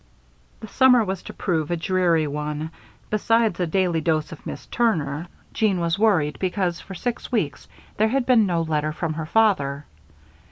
The summer was to prove a dreary one. Besides a daily dose of Miss Turner, Jeanne was worried, because, for six weeks, there had been no letter from her father.